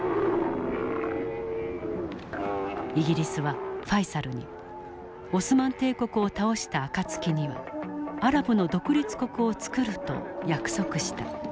イギリスはファイサルにオスマン帝国を倒した暁にはアラブの独立国をつくると約束した。